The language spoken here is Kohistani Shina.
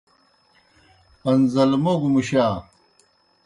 پݩزلموگوْ مُشا۔